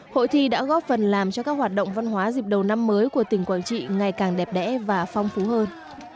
hội thi đã góp phần làm cho các hoạt động văn hóa dịp đầu năm mới của tỉnh quảng trị ngày càng đẹp đẽ và phong phú hơn